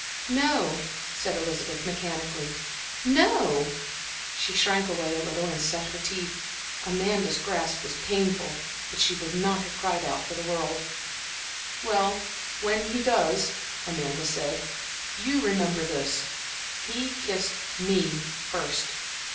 "No," said Elizabeth, mechanically, "no." She shrank away a little and set her teeth. Amanda's grasp was painful, but she would not have cried out for worlds. "Well, when he does," Amanda said, "remember this he kissed me first.